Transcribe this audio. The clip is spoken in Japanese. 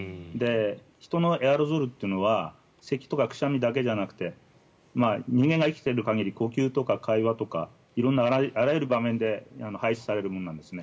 人のエアロゾルというのはせきとかくしゃみだけじゃなくて人間が生きている限り呼吸とか会話とか色んなあらゆる場面で排出されるものなんですね。